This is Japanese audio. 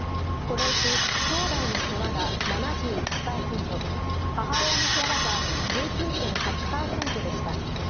このうちきょうだいの世話が７１％母親の世話が１９．８％でした。